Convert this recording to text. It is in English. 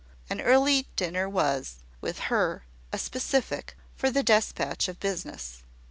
An early dinner was, with her, a specific for the despatch of business.